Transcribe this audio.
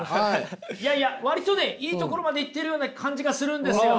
いやいや割とねいいところまでいってるような感じがするんですよ。